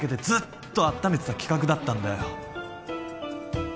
ずっとあっためてた企画だったんだよ